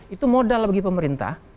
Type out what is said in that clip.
itu modal bagi pemerintah